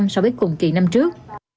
so với cùng kỳ năm trước